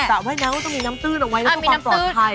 สระไว้น้ำก็ต้องมีน้ำตื้นออกไว้แล้วก็ปลอดภัย